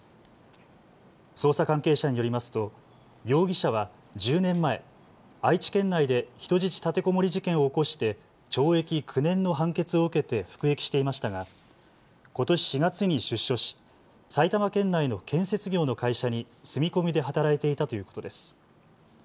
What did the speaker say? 捜査関係者によりますと容疑者は１０年前、愛知県内で人質立てこもり事件を起こして懲役９年の判決を受けて服役していましたがことし４月に出所し埼玉県内の建設業の会社に住み込みで働いていたということです。